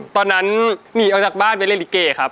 ตอนนั้นหนีออกจากบ้านไปเล่นลิเกครับ